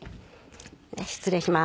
失礼します。